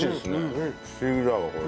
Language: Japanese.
不思議だわこれ。